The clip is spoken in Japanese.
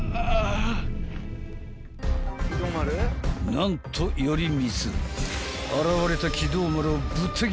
［何と頼光］